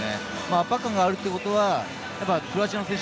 圧迫感があるということはクロアチアの選手